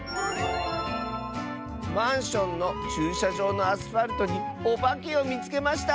「マンションのちゅうしゃじょうのアスファルトにおばけをみつけました！」。